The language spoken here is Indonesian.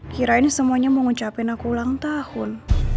kirain semuanya mau ngucapin aku ulang tahun